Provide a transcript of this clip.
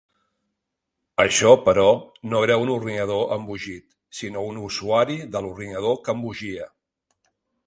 Això, però, no era un ordinador embogit, sinó un usuari de l'ordinador que embogia.